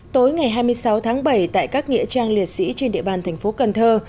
tối ngày hai mươi sáu tháng bảy tại các nghĩa trang liệt sĩ trên địa bàn thành phố cần thơ